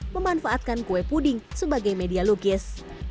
memanfaatkan kue puding sebagai media lukis